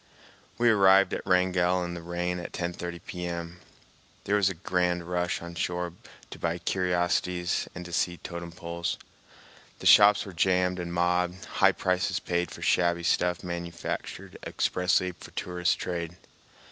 We arrived at Wrangell in the rain at 10.30 P.M. There was a grand rush on shore to buy curiosities and see totem poles. The shops were jammed and mobbed, high prices paid for shabby stuff manufactured expressly for tourist trade.